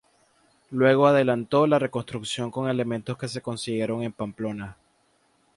Luego adelantó la reconstrucción con elementos que se consiguieron en Pamplona.